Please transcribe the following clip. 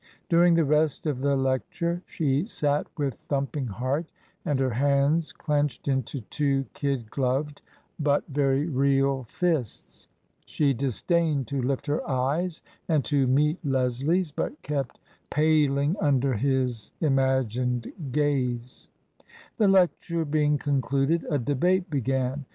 During the rest of the lecture she sat with thumping heart and her hands clenched into two kid gloved but TRANSITION. 103 very real fists. She disdained to lift her eyes and to meet Leslie's, but kept paling under his imagined gaze. The lecture being concluded, a debate began.